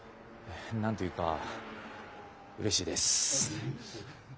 何と言うかうれしいです。